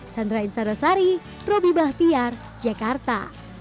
sandra insar dasari robi bahtiar jakarta